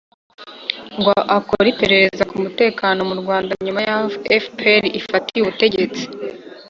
ngo akore iperereza ku mutekano mu rwanda nyuma yaho fpr ifatiye ubutegetsi.